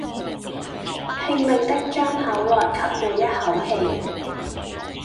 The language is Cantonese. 拼命的張口來吸每一口氣